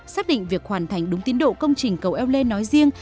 xác định việc hoàn thành đúng tiến độ công trình cầu eo lê nói riêng